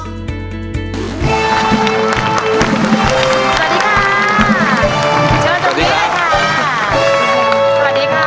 สวัสดีค่ะเจอตรงนี้เลยค่ะ